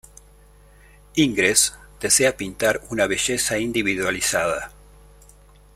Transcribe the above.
Ingres desea pintar una belleza individualizada.